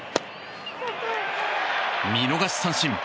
見逃し三振。